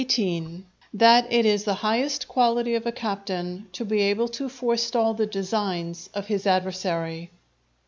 —_That it is the highest Quality of a Captain to be able to forestall the designs of his Adversary.